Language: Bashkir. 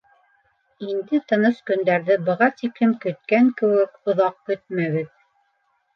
Инде тыныс көндәрҙе быға тиклем көткән кеүек оҙаҡ көтмәбеҙ.